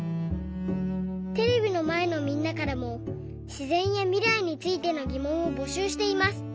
テレビのまえのみんなからもしぜんやみらいについてのぎもんをぼしゅうしています。